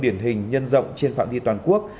điển hình nhân rộng trên phạm vi toàn quốc